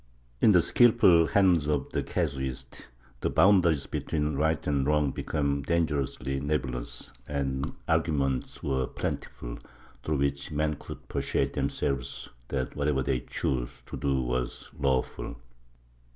In the skilful hands of the casuists, the boundaries between right and wrong became dangerously nebulous, and arguments were plentiful through which men could persuade themselves that whatever they chose to do was lawful.